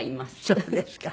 そうですか。